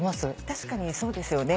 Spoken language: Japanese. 確かにそうですよね